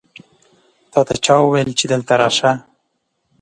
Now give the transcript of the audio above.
تاته چا وویل چې دلته راشه؟